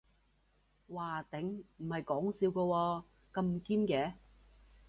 嘩頂，唔係講笑㗎喎，咁堅嘅